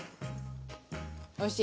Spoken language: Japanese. おいしい？